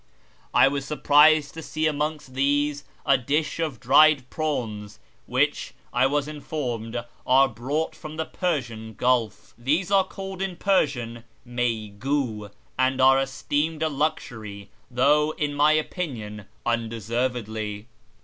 I was surprised to see amongst these a dish of dried prawns, wliich, I was informed, are brought from the Persian Gulf. They are called in Persian mcygtl, and are esteemed a luxury, though, in my opinion, undeservedly.